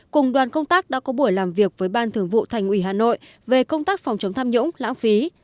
cùng đoàn công tác đã có buổi làm việc với ban thường vụ thành ủy hà nội về công tác phòng chống tham nhũng lãng phí